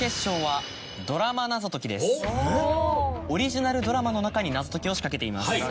オリジナルドラマの中に謎解きを仕掛けています。